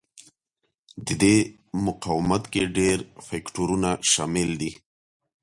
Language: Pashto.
د دې مقاومت کې ډېر فکټورونه شامل دي.